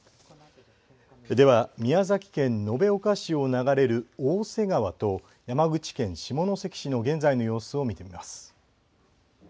では宮崎県延岡市を流れる大瀬川と山口県下関市の現在の様子を見てみます。